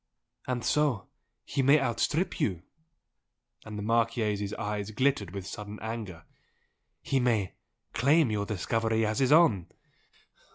"And so he may outstrip you?" And the Marchese's eyes glittered with sudden anger "He may claim YOUR discovery as his own?"